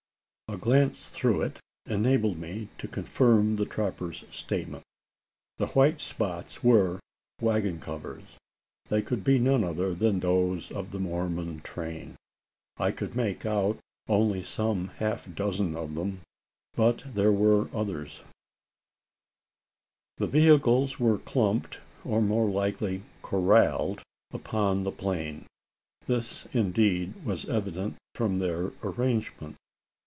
A glance through it enabled me to confirm the trapper's statement. The white spots were waggon covers: they could be none other than those of the Mormon train. I could make out only some half dozen of them; but there were others behind. The vehicles were clumped, or, more likely, corralled upon the plain. This, indeed, was evident from their arrangement.